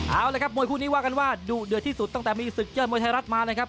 เอาละครับมวยคู่นี้ว่ากันว่าดุเดือดที่สุดตั้งแต่มีศึกยอดมวยไทยรัฐมานะครับ